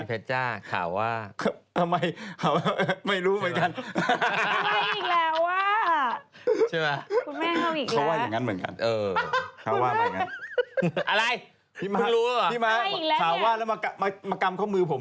เขาไม่ทักพี่นุมเราก็เป็นห้ม